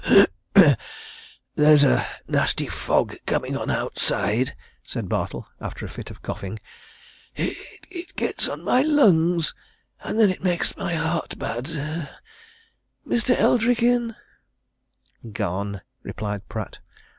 "There's a nasty fog coming on outside," said Bartle, after a fit of coughing. "It gets on my lungs, and then it makes my heart bad. Mr. Eldrick in?" "Gone," replied Pratt.